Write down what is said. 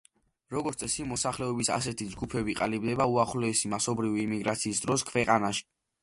როგორც წესი, მოსახლეობის ასეთი ჯგუფები ყალიბდება უახლოესი მასობრივი იმიგრაციის დროს ქვეყანაში.